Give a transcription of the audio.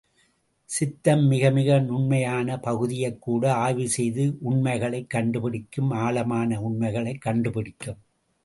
சித்தம் மிக மிக நுண்மையான பகுதியைக்கூட ஆய்வு செய்து, உண்மைகளைக் கண்டு பிடிக்கும் ஆழமான உண்மைகளைக் கண்டு பிடிக்கும்.